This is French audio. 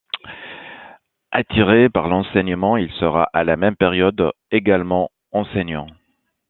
Attiré par l'enseignement il sera, à la même période, également enseignant.